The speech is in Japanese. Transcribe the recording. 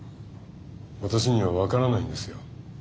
私には分からないんですよ。